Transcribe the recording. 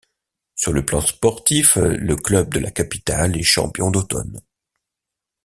Sur le plan sportif, le club de la capitale est champion d'automne.